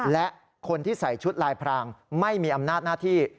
และคนที่ใส่ชุดลายพรางไม่มีอำนาจหน้าที่